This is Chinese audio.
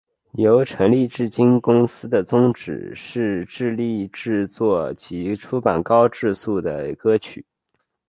由成立至今公司的宗旨是致力制作及出版高质素的歌曲。